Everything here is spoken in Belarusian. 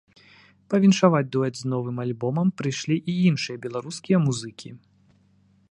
Павіншаваць дуэт з новым альбомам прыйшлі і іншыя беларускія музыкі.